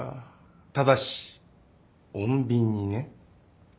ただし穏便にね。